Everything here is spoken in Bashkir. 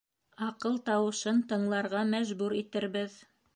Аҡыл тауышын тыңларға мәжбүр итербеҙ.